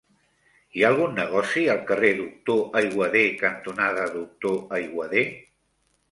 Hi ha algun negoci al carrer Doctor Aiguader cantonada Doctor Aiguader?